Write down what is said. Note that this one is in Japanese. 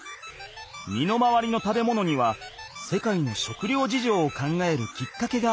身の回りの食べ物には世界の食料事情を考えるきっかけがある。